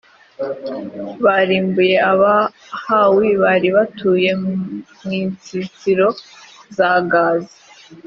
barimbuye abahawi bari batuye mu nsisiro za gaza,